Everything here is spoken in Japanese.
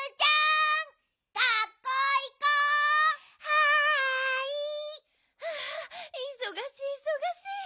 はあいそがしいいそがしい！